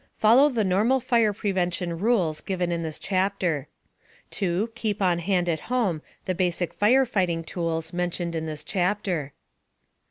Follow the normal fire prevention rules given in this chapter. 2. Keep on hand at home the basic fire fighting tools mentioned in this chapter.